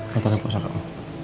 dokternya paksa kamu